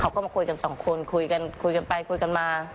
เขาก็มาคุยกับสองคนคุยกันไปคุยกันมา